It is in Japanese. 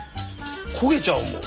焦げちゃうもん。